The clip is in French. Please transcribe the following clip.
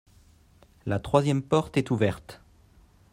La troisième porte est ouverte.